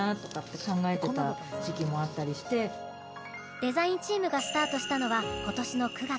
デザインチームがスタートしたのは今年の９月。